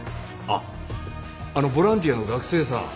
あのボランティアの学生さん。